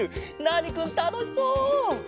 ナーニくんたのしそう！